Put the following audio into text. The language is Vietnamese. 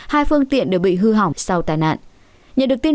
hai phương tiện đều bị hư hỏng sau tai nạn